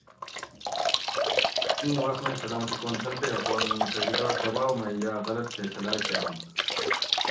ایں وخ مئ سلامتی کونسل تے اقوام متحدہ دباؤ مئ یاۤ غلط فیصلاۤ کۤرنت